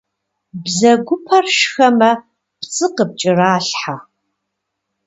Бзэгупэр шхэмэ пцӏы къыпкӏэралъхьэ.